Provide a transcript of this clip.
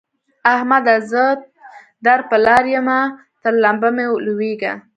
احمده! زه در پر لاره يم؛ تر لمبه مه لوېږه.